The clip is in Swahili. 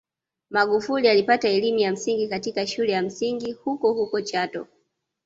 Magufuli alipata elimu ya msingi katika shule ya msingi hukohuko Chato